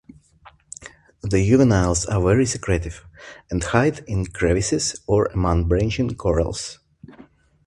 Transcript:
The juveniles are very secretive and hide in crevices or among branching corals.